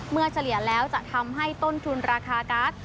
เฉลี่ยแล้วจะทำให้ต้นทุนราคาการ์ด